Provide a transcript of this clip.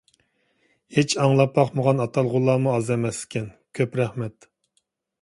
ھېچ ئاڭلاپ باقمىغان ئاتالغۇلارمۇ ئاز ئەمەس ئىكەن. كۆپ رەھمەت.